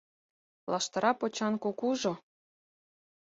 Лаштыра почан кукужо